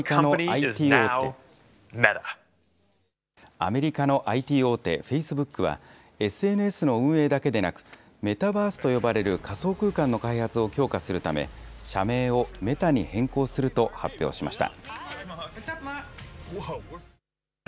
アメリカのＩＴ大手、フェイスブックは、ＳＮＳの運営だけでなく、メタバースと呼ばれる仮想空間の開発を強化するため、社名をメタに変更すると発表しました。